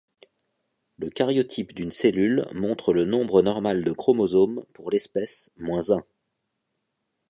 Le caryotype d'une cellule montre le nombre normal de chromosomes pour l'espèce moins un.